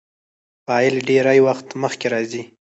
فاعل ډېرى وخت مخکي راځي.